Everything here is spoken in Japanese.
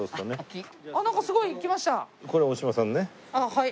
はい。